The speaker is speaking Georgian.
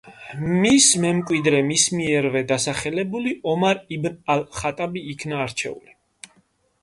მის მემკვიდრე მის მიერვე დასახელებული ომარ იბნ ალ-ხატაბი იქნა არჩეული.